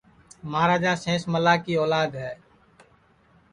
مہاراجا سینس ملا کی اولاد ہے